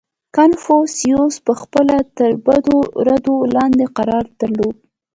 • کنفوسیوس پهخپله تر بدو ردو لاندې قرار درلود.